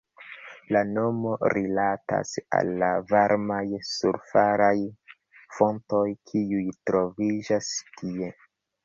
La nomo rilatas al la varmaj sulfuraj fontoj, kiuj troviĝas tie.